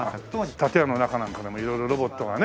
建物の中なんかでも色々ロボットがね。